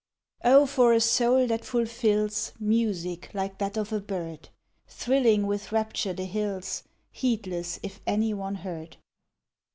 OH, FOR A SOUL THAT FULFILLS MUSIC LIKE THAT OF A BIRD! THRILLING WITH RAPTURE THE HILLS, HEEDLESS IF ANY ONE HEARD.